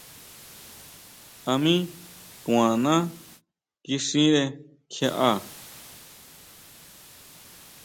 A mí kʼuaná kixire kjiaʼá.